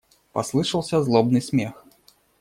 Послышался злобный смех.